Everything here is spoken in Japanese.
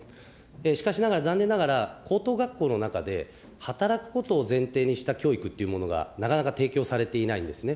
しかしながら、残念ながら、高等学校の中で働くことを前提にした教育というものがなかなか、提供されていないんですね。